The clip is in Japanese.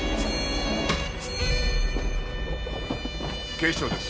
警視庁です。